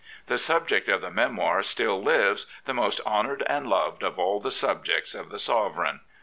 The subject of the memoir still lives, the most honoured and loved of all the subjects of the Sovereign.